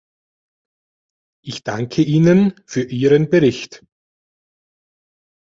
Ich danke Ihnen für Ihren Bericht.